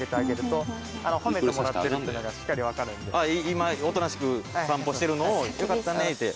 今大人しく散歩してるのをよかったねって。